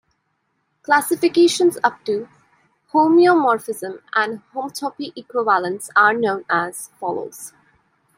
Classifications up to homeomorphism and homotopy equivalence are known, as follows.